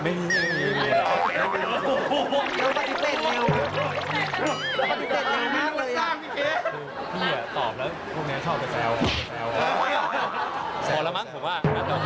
อีกนิดนึงค่ะ